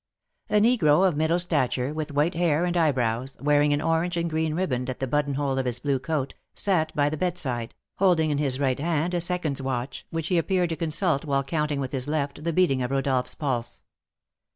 A negro of middle stature, with white hair and eyebrows, wearing an orange and green riband at the buttonhole of his blue coat, sat by the bedside, holding in his right hand a seconds' watch, which he appeared to consult while counting with his left the beating of Rodolph's pulse.